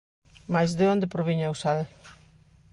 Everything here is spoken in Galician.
Mais de onde proviña o sal?